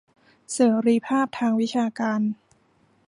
เสรีภาพทางวิชาการ